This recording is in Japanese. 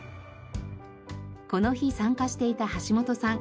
この日参加していた橋本さん。